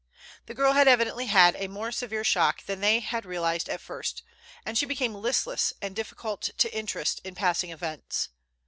The girl had evidently had a more severe shock than they had realized at first, and she became listless and difficult to interest in passing events.